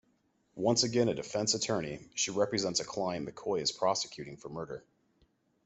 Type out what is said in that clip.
Once again a defense attorney, she represents a client McCoy is prosecuting for murder.